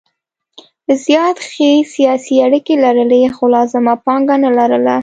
زیات ښې سیاسي اړیکې لرلې خو لازمه پانګه نه لرله.